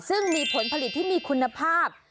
ซึ่งมีผลผลิตที่มีคุณภาพ